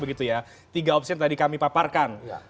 begitu ya tiga opsi yang tadi kami paparkan